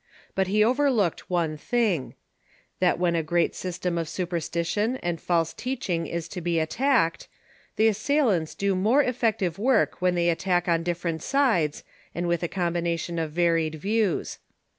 But he overlooked one thing : Protestantism That Avhen a great system of superstition and false ecessi y teadji^g jg ^q \,q attacked, the assailants do more effective work when they attack on different sides and with a combination of varied views.